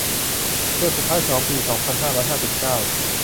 เดือนสุดท้ายของปี สองพันห้าร้อยห้าสิบเก้า